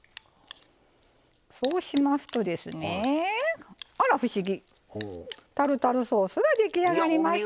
そうしますとあら不思議タルタルソースが出来上がりました。